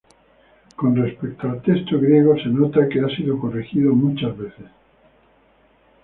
Con respecto al texto griego se nota que ha sido corregido muchas veces.